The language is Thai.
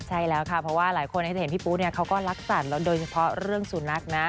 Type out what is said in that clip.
ใช่แล้วค่ะเพราะว่าหลายคนจะเห็นพี่ปุ๊เขาก็รักสัตว์โดยเฉพาะเรื่องสุนัขนะ